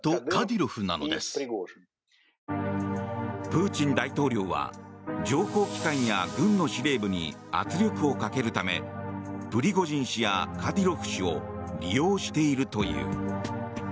プーチン大統領は情報機関や軍の司令部に圧力をかけるためプリゴジン氏やカディロフ氏を利用しているという。